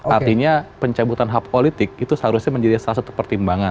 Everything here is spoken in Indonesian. artinya pencabutan hak politik itu seharusnya menjadi salah satu pertimbangan